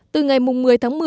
từ ngày một mươi tháng một mươi